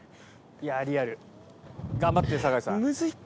いやリアル頑張って酒井さん。